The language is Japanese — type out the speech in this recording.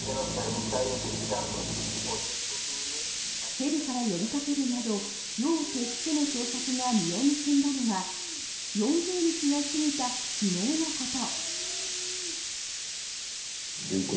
ヘリから呼びかけるなど夜を徹しての捜索が実を結んだのは４０日が過ぎた昨日のこと。